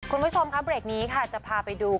คุณผู้ชมบริเตอร์นี่จะพาไปดู